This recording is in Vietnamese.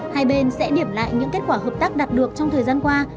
hai bên sẽ điểm lại những kết quả hợp tác đạt được trong thời gian qua